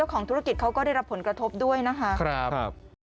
ของธุรกิจเขาก็ได้รับผลกระทบด้วยนะคะ